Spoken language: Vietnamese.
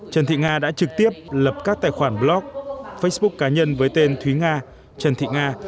trần thị nga đã trực tiếp lập các tài khoản blog facebook cá nhân với tên thúy nga trần thị nga